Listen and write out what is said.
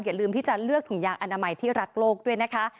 อย่าลืมที่จะเลือกถุงยางอนามัยที่รักโลกด้วยนะคะ